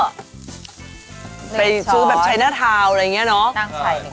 ๑ช้อนไปซื้อแบบชัยหน้าทาวอะไรอย่างเงี้ยเนอะ